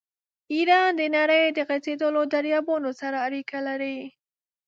ایران د نړۍ د غځېدلو دریابونو سره اړیکې لري.